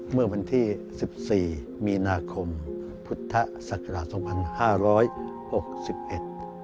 เมื่อวันที่๑๔มีนาคมพุทธศักราช๒๕๖๑